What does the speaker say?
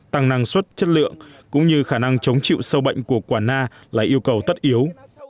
tăng năng suất chất lượng cũng như khả năng chống chịu sâu bệnh của quả na là yêu cầu tất yếu